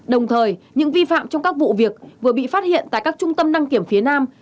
đồng thời những vi phạm trong các vụ việc vừa bị phát hiện tại các trung tâm đăng kiểm phía nam